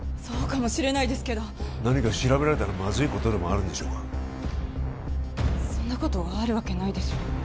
そうかもしれないですけど何か調べられたらまずいことでもあるんでしょうかそんなことあるわけないでしょう